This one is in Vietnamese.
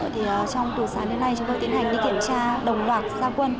trong tù sáng đến nay chúng tôi tiến hành đi kiểm tra đồng loạt gia quân